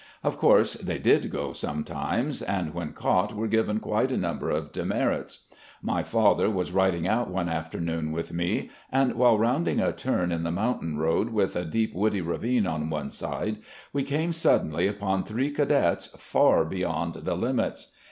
Of course they did go sometimes, and when caught were given quite a number of " demerits." My father was riding out one afternoon with me, and, while rounding a turn in the mountain road with a deep woody ravine on one side, we came suddenly upon three cadets far beyond the limits.